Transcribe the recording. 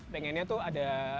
pengennya tuh ada